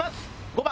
５番。